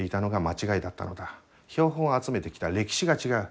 標本を集めてきた歴史が違う。